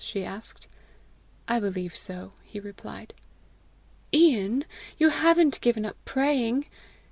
she asked. "I believe so," he replied. "Ian, you haven't given up praying?"